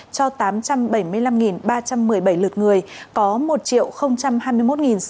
cho tám trăm bảy mươi năm ba trăm một mươi bảy lượt người